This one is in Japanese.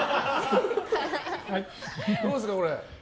どうですか、これ。